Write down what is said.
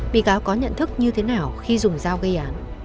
bị cáo có nhận thức như thế nào khi dùng dao gây án